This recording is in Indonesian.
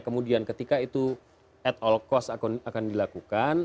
kemudian ketika itu at all cost akan dilakukan